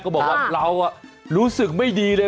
บอกว่าเรารู้สึกไม่ดีเลย